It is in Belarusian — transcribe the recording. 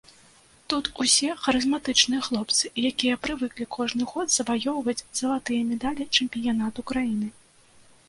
Тут усе харызматычныя хлопцы, якія прывыклі кожны год заваёўваць залатыя медалі чэмпіянату краіны.